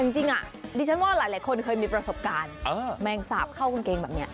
จริงดิฉันว่าหลายคนเคยมีประสบการณ์แมงสาบเข้ากางเกงแบบนี้